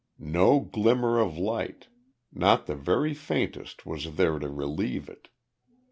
No glimmer of light not the very faintest, was there to relieve it.